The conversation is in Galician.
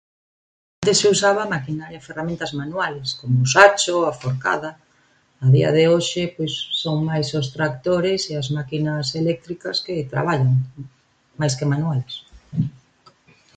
Antes se usaba maquinaria, ferramentas manuales, como un sacho, a forcada, a día de hoxe, pois son máis os tractores e as máquinas eléctricas que traballan, máis que manuais.